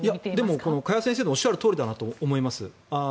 でも加谷先生のおっしゃるとおりだなと思います。